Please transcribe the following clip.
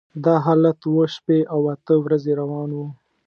دا حالت اوه شپې او اته ورځې روان و.